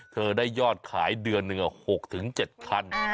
เธอได้ยอดขายเดือนหนึ่ง๖๗คัน